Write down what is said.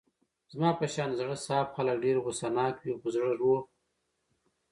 زما په شان د زړه صاف خلګ ډېر غوسه ناکه وي خو زړه روغ.